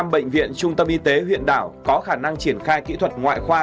bảy mươi bệnh viện trung tâm y tế huyện đảo có khả năng triển khai kỹ thuật ngoại khoa